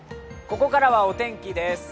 ここからはお天気です。